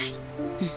うん。